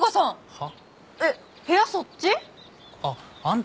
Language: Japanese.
はあ。